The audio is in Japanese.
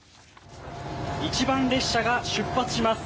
一番列車が出発します。